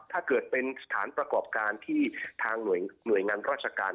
ถ้าเกิดเป็นสถานประกอบการที่ทางหน่วยงานราชการ